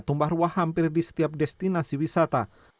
tumbah ruah hampir di setiap destinasi wisata